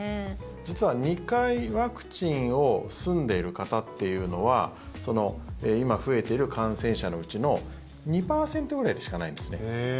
実は２回、ワクチンを済んでいる方っていうのは今増えている感染者のうちの２％ぐらいでしかないんですね。